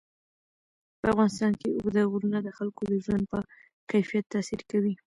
په افغانستان کې اوږده غرونه د خلکو د ژوند په کیفیت تاثیر کوي.